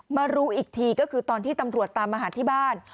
มารู้อีกทีก็คือตอนที่ตำรวจตามมาหาที่บ้าน